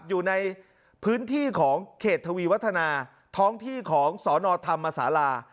อยู่ในพื้นที่ของเขตทวีวัฒนาท้องที่ของสนธรรมศาลา